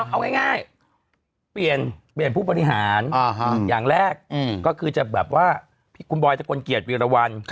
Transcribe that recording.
เอาง่ายเปลี่ยนผู้บริหารอย่างแรกก็คือจะแบบว่าคุณบอยสกลเกียรติวีรวัล